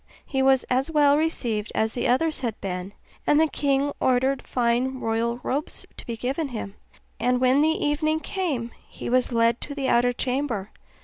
He was as well received as the others had been, and the king ordered fine royal robes to be given him; and when the evening came he was led to the outer chamber.